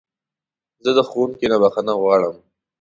زه د ښوونکي نه بخښنه غواړم.